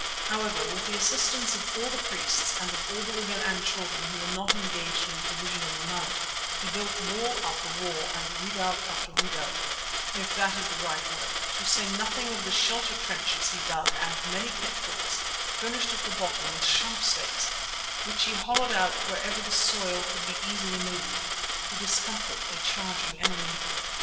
However, with the assistance of all the priests and of all the women and children who were not engaged in provisioning the Mount, he built wall after wall and redoubt after redoubt, if that is the right word, to say nothing of the shelter trenches he dug and many pitfalls, furnished at the bottom with sharp stakes, which he hollowed out wherever the soil could be easily moved, to discomfit a charging enemy.